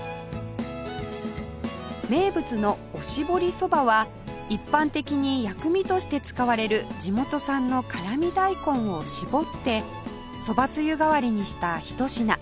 名物のおしぼりそばは一般的に薬味として使われる地元産の辛味大根をしぼってそばつゆ代わりにした一品